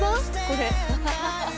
これ。